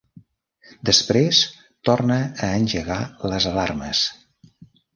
Després torna a engegar les alarmes.